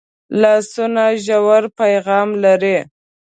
لاسونه ژور پیغام لري